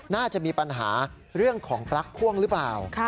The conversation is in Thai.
น่าจะมีปัญหาเรื่องของปลั๊กพ่วงหรือเปล่า